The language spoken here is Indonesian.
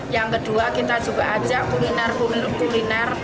yang kedua kita juga ajak kuliner kuliner